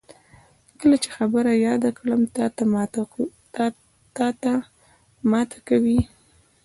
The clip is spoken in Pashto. کله چې خبره یاده کړم، تاته ماته کوي.